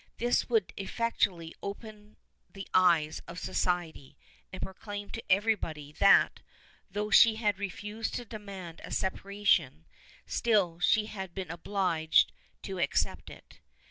This would effectually open the eyes of society, and proclaim to everybody that, though she had refused to demand a separation, still she had been obliged to accept it.